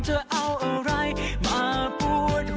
เธอเอาอะไรมาปวดหัว